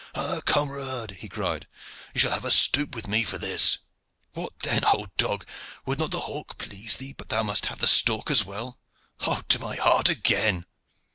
"Ah! camarade," he cried, "you shall have a stoup with me for this! What then, old dog, would not the hawk please thee, but thou must have the stork as well. Oh, to my heart again!"